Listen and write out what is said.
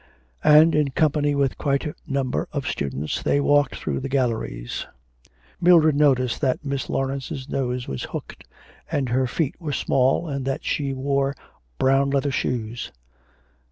And, in company with quite a number of students, they walked through the galleries. Mildred noticed that Miss Laurence's nose was hooked, that her feet were small, and that she wore brown leather shoes.